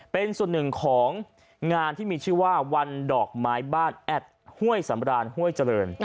เป็นส่วนหนึ่งของงานที่มีชื่อว่าวันดอกไม้บ้านแอดห้วยสำรานห้วยเจริญ